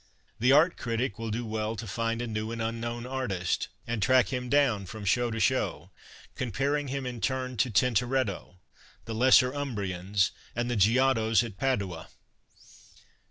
The art critic will do well to find a new and unknown artist and track him down from show to show, cotn[)aring iiim in turn to Tintoretto, the lesser Umbrians, and the Giottos at Padua.